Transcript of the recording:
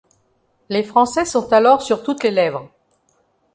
Les Français sont alors sur toutes les lèvres.